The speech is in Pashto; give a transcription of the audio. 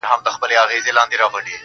o نو زنده گي څه كوي.